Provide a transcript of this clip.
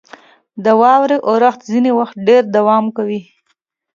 • د واورې اورښت ځینې وخت ډېر دوام کوي.